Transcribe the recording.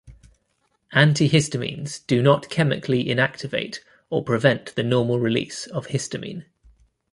Antihistamines do not chemically inactivate or prevent the normal release of histamine.